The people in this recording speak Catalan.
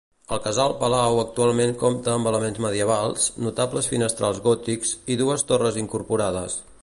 El casal-palau actualment compta amb elements medievals, notables finestrals gòtics i dues torres incorporades.